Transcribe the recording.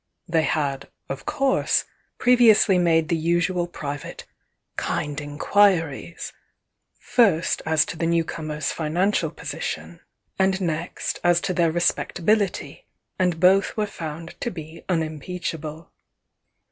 They had of course, previously made the usual private "kind inquiries, '—first as to the newcomers' financial po sition and next as to their respectability, and both were found to be unimpeachable.